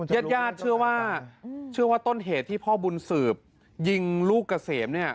เย็ดเชื่อว่าต้นเหตุที่พ่อบุญสืบยิงลูกเกษมเนี่ย